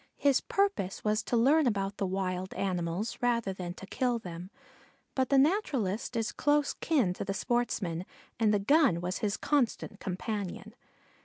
His purpose was to learn about the wild animals rather than to kill them; but the naturalist is close kin to the sportsman, and the gun was his constant companion.